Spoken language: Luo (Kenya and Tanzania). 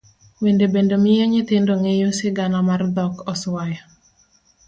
Wende bende miyo nyithindo ng'eyo sigana mar dhok oswayo.